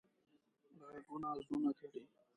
غږونه زړونه تړي